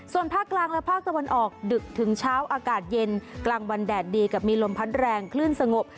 ส่วนภาคกลางและภาคตะวันออกดึกถึงเช้าอากาศเย็นกลางวันแดดดีกับมีลมพัดแรงคลื่นสงบ